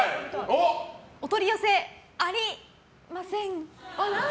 お取り寄せありません。